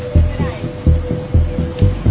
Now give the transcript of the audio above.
สวัสดีครับ